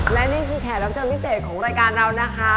และนี่คือแขกรับเชิญพิเศษของรายการเรานะคะ